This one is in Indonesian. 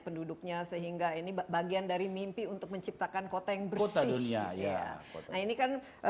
penduduknya sehingga ini bagian dari mimpi untuk menciptakan kota yang bersih nah ini kan